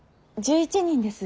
１１人です。